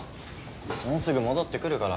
もうすぐ戻ってくるから。